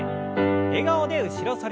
笑顔で後ろ反り。